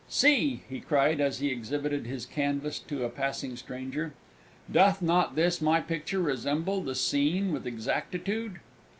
"See!" he cried, as he exhibited his canvas to a Passing Stranger, "doth not this my picture resemble the scene with exactitude?"